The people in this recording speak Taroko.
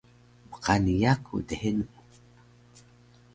bqani yaku dhenu